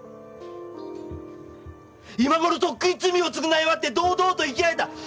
今頃とっくに罪を償い終わって堂々と生きられた